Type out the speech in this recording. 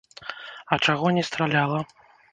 А чаго не страляла?